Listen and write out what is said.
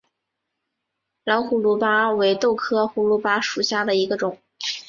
蓝胡卢巴为豆科胡卢巴属下的一个种。